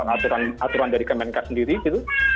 aturan aturan dari kemenka sendiri gitu